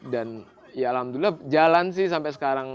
dan ya alhamdulillah jalan sih sampai sekarang